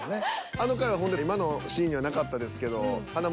あの回はほんで今のシーンにはなかったですけど。